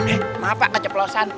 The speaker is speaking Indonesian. eh maaf pak keceplosan